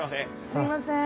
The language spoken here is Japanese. すいません。